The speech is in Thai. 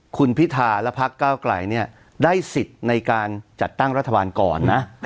คุณพิธาและพักเก้าไกลเนี่ยได้สิทธิ์ในการจัดตั้งรัฐบาลก่อนนะ